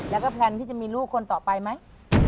แล้วก็แพลนที่จะมีลูกคนต่อไปไหม